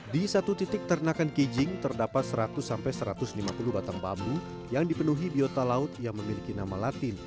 di satu titik ternakan kijing terdapat seratus sampai satu ratus lima puluh batang bambu yang dipenuhi biota laut yang memiliki nama latin